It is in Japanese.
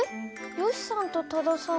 よしさんと多田さん